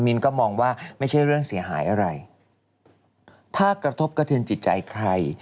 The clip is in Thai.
นก็มองว่าไม่ใช่เรื่องเสียหายอะไรถ้ากระทบกระเทือนจิตใจใคร